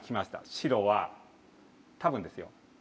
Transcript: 白は多分ですよ